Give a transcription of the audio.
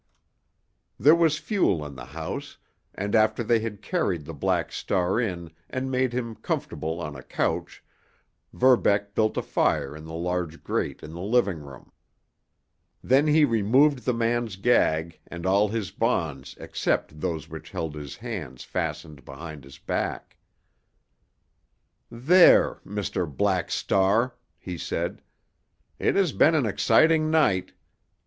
There was fuel in the house, and after they had carried the Black Star in and made him comfortable on a couch Verbeck built a fire in the large grate in the living room. Then he removed the man's gag, and all his bonds except those which held his hands fastened behind his back. "There, Mr. Black Star!" he said. "It has been an exciting night.